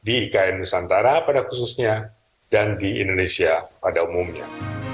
di ikn nusantara pada khususnya dan di indonesia pada umumnya